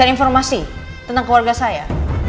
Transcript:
dapat informasi tentang keluarga saya